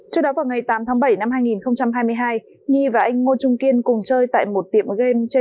trước đó vào ngày tám tháng bảy năm hai nghìn hai mươi hai nhi và anh ngô trung kiên cùng chơi tại một tiệm game trên